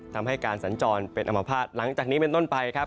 ทำให้การสัญจรเป็นอมภาษณ์หลังจากนี้เป็นต้นไปครับ